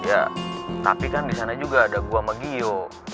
ya tapi kan disana juga ada gue sama gio